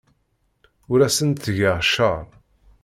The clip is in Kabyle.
Ur asent-ttgeɣ cceṛ.